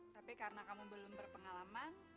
tapi karena kamu belum berpengalaman